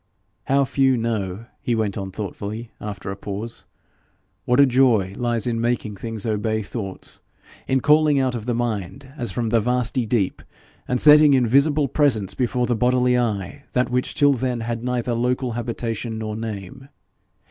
How few know,' he went on thoughtfully, after a pause, 'what a joy lies in making things obey thoughts! in calling out of the mind, as from the vasty deep, and setting in visible presence before the bodily eye, that which till then had neither local habitation nor name!